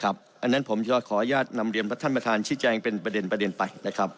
อันนั้นผมจะขออนุญาตนำเรียนท่านประธานชี้แจงเป็นประเด็นไปนะครับ